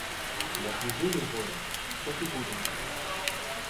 Як мы жылі вольныя, так і будзем жыць!